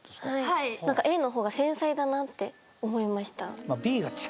はいなんかＡの方が繊細だなって思いました